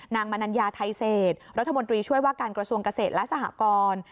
มนัญญาไทยเศษรัฐมนตรีช่วยว่าการกระทรวงเกษตรและสหกร